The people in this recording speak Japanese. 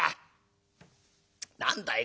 「何だい